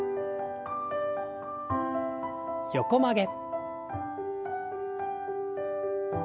横曲げ。